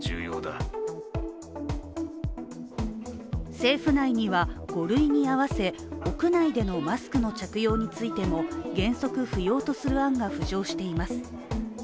政府内には５類に合わせ屋内でのマスクの着用についても原則不要とする案が浮上しています。